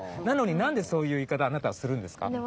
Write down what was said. なのになんでそういう言い方をあなたはするんですか？